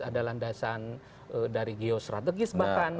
ada landasan dari geostrategis bahkan